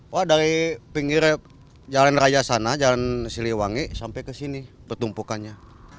wah dari pinggir jalan raya sana jalan siliwangi sampai ke sini pertumpukannya